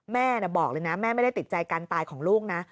แม่บอกเลยนะแม่ไม่ได้ติดใจการตายของลูกนะ